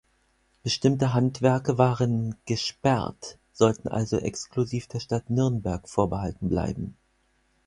Bestimmte Handwerke waren „gesperrt“, sollten also exklusiv der Stadt Nürnberg vorbehalten bleiben.